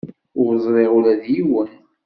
Ur zṛiɣ ula d yiwen.